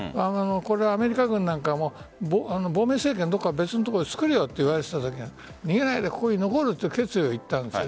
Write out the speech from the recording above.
これはアメリカ軍なんかも亡命政権、どこか別のところで作れよと言われてたけど逃げないでここに残ると決意を言ったんです。